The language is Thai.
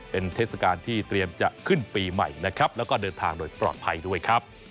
เป็นเทศกาลที่เตรียมจะขึ้นปีใหม่นะครับแล้วก็เดินทางโดยปลอดภัยด้วยครับ